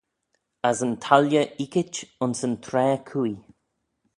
As yn tailley eeckit ayns yn traa cooie.